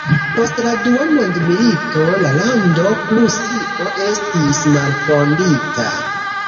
Post la Dua Mondmilito la lando Prusio estis malfondita.